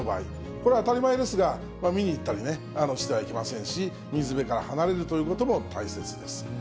これは当たり前ですが、見に行ったりね、してはいけませんし、水辺から離れるということも大切です。